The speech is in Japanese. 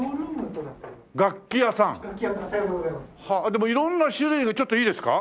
でも色んな種類がちょっといいですか？